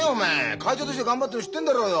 会長として頑張ってんの知ってんだろうよ。